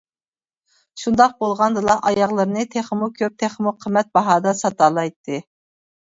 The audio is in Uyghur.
شۇنداق بولغاندىلا ئاياغلىرىنى تېخىمۇ كۆپ، تېخىمۇ قىممەت باھادا ساتالايتتى.